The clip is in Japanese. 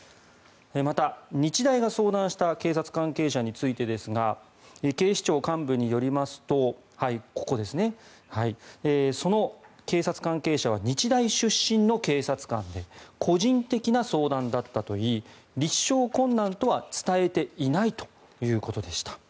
また、日大が相談した警察関係者についてですが警視庁幹部によりますとその警察関係者は日大出身の警察官で個人的な相談だったといい立証困難とは伝えていないということでした。